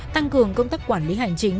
tăng cường công tác quản lý hành chính